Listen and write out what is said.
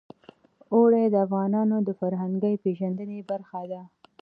اوړي د افغانانو د فرهنګي پیژندنې برخه ده.